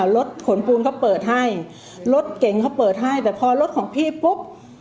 รถขนปูนก็เปิดให้รถเก่งเขาเปิดให้แต่พอรถของพี่ปุ๊บ